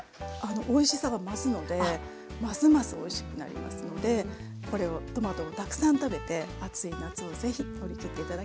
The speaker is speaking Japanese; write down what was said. おいしさが増すのでますますおいしくなりますのでトマトをたくさん食べて暑い夏をぜひ乗り切って頂きたいです。